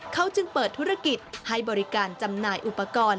เขาจึงเปิดธุรกิจให้บริการจำหน่ายอุปกรณ์